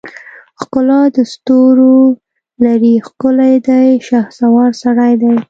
ښکلا دستورولري ښکلی دی شهوار سړی دی